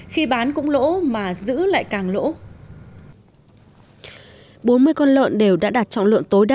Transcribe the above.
khi bán cũng lỗ mà giữ lại càng lỗ